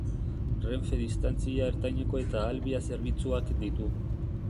Renfe Distantzia Ertaineko eta Alvia zerbitzuak ditu.